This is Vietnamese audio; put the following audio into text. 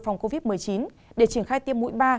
phòng covid một mươi chín để triển khai tiêm mũi ba